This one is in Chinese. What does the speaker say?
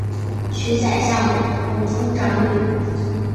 娶宰相吴充长女。